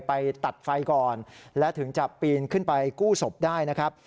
ไปตัดไฟก่อนและถึงจะปีนขึ้นไปกู้ศพได้นะครับ